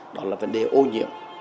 đó là vấn đề ô nhiễm